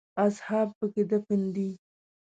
اصحاب په کې دفن دي.